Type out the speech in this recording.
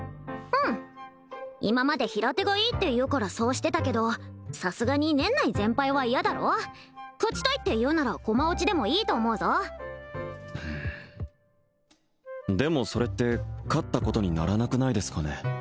うん今まで平手がいいって言うからそうしてたけどさすがに年内全敗は嫌だろ勝ちたいっていうなら駒落ちでもいいと思うぞうんでもそれって勝ったことにならなくないですかね